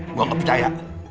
gua gak percaya